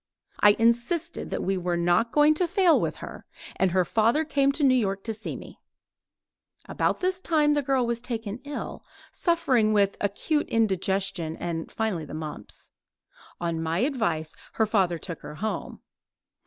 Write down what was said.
I insisted that we were not going to fail with her, and her father came to New York to see me. About this time the girl was taken ill, suffering with acute indigestion and finally the mumps. On my advice her father took her home.